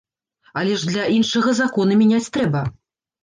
Але ж для іншага законы мяняць трэба!